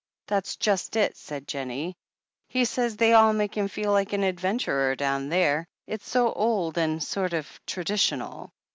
"That's just it," said Jennie. "He says they all make him fed like an adventurer down there — ^it's so old and — ^and sort of traditional.